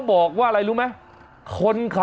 บอกแบบเบุเธอมาเตี๊ยวนะ